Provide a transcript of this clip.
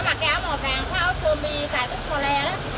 nó mặc cái áo màu vàng cái áo xô mi cái áo xô le đó